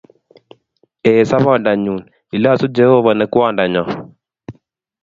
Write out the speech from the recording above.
Ee, sobondo nyun, ilosu Jehovah ne Kwandanyo